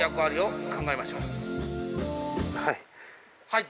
はい。